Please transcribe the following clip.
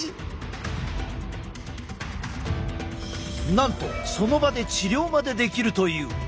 なんとその場で治療までできるという。